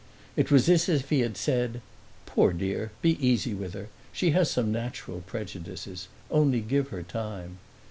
It was as if he had said, "Poor dear, be easy with her; she has some natural prejudices; only give her time.